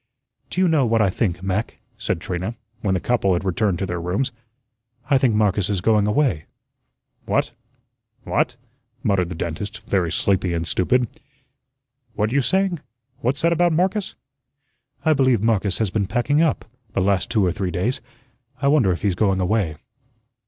"Do you know what I think, Mac?" said Trina, when the couple had returned to their rooms. "I think Marcus is going away." "What? What?" muttered the dentist, very sleepy and stupid, "what you saying? What's that about Marcus?" "I believe Marcus has been packing up, the last two or three days. I wonder if he's going away."